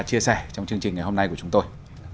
của chúng tôi